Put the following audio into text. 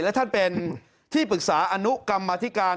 และท่านเป็นที่ปรึกษาอนุกรรมธิการ